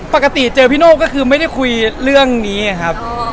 ปกติเจอพี่โน่ก็คือไม่ได้คุยเรื่องนี้ไงครับ